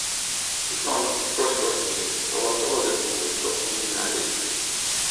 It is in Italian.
Ci sono piccoli cortili tra la sala del culto e i minareti.